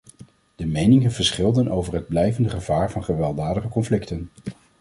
De meningen verschilden over het blijvende gevaar van gewelddadige conflicten.